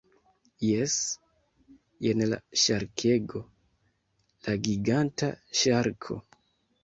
Jes. Jen la ŝarkego. La giganta ŝarko.